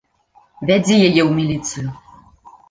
Вядзі яе ў міліцыю!